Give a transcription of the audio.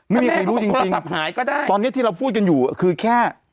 ไม่มีใครรู้จริงตอนนี้ที่เราพูดกันอยู่คือแค่